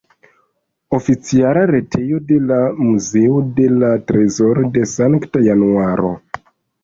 Oficiala retejo de la Muzeo de la trezoro de Sankta Januaro.